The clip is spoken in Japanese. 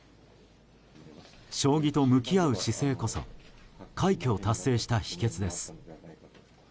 将棋と向き合う姿勢こそ快挙を達成した秘訣です。